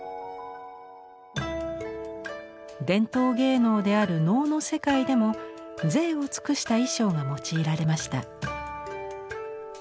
伝統芸能である能の世界でも贅を尽くした衣装が用いられました。